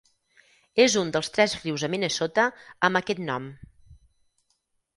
És un dels tres rius a Minnesota amb aquest nom.